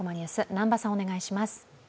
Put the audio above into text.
南波さん、お願いします。